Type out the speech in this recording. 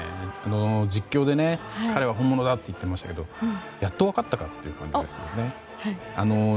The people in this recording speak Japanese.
実況で彼は本物だって言っていましたけどやっと分かったかという感じですね。